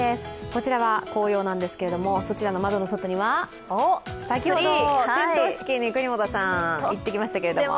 こちらは紅葉なんですけど、そちらの窓の外には先ほど点灯式に國本さん行ってきましたけれども。